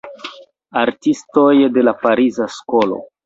Artistoj de la Pariza Skolo".